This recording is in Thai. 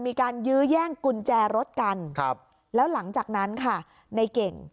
มีการยื้อแย่งกุญแจรถกันครับแล้วหลังจากนั้นค่ะในเก่ง